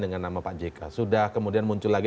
dengan nama pak jk sudah kemudian muncul lagi